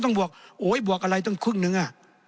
ต้องอีกครึ่ง